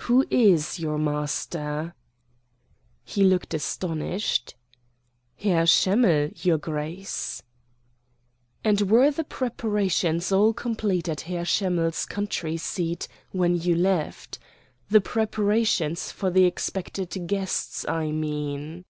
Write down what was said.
"Who is your master?" He looked astonished. "Herr Schemmell, your Grace." "And were the preparations all complete at Herr Schemmell's country seat when you left the preparations for the expected guests, I mean?"